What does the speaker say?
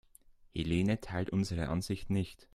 Helene teilt unsere Ansicht nicht.